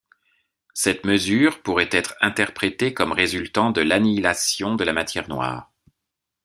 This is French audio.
Cette mesure pourrait être interprété comme résultant de l'annihilation de la matière noire.